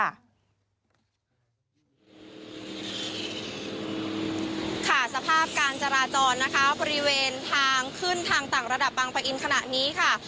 ค่ะสภาพการจราจรนะคะบริเวณทางขึ้นทางต่างระดับบางปะอินขณะนี้ค่ะ